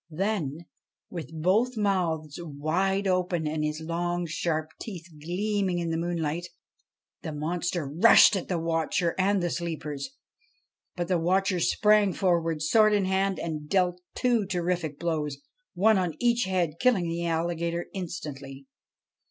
Then, with both mouths wide open and his long sharp teeth gleaming in the moonlight, the monster rushed at the watcher and the sleepers. But the watcher sprang forward, sword in hand, and dealt two terrific blows, one on each head, killing the alligator instantly.